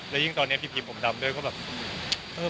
แล้วยิ่งตอนนี้พี่พีผมดำด้วยก็แบบ